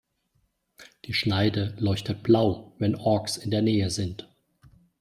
Die Schneide leuchtet Blau, wenn Orks in der Nähe sind.